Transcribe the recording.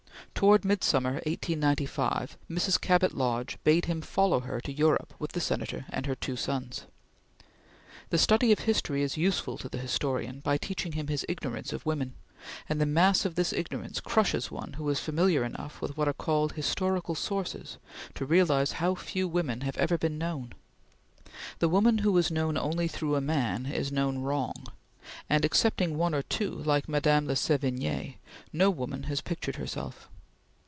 Towards midsummer, 1895, Mrs. Cabot Lodge bade him follow her to Europe with the Senator and her two sons. The study of history is useful to the historian by teaching him his ignorance of women; and the mass of this ignorance crushes one who is familiar enough with what are called historical sources to realize how few women have ever been known. The woman who is known only through a man is known wrong, and excepting one or two like Mme. de Sevigne, no woman has pictured herself.